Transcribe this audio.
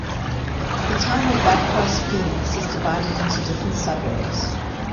The town of Vacoas-Phoenix is divided into different suburbs.